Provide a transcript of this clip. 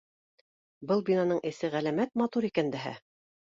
Был бинаның эсе ғәләмәт матур икән дәһә.